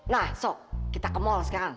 nah so kita ke mall sekarang